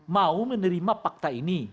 mau menerima fakta ini